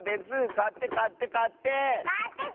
かってかってかって！